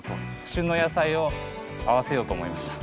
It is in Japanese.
旬の野菜を合わせようと思いました。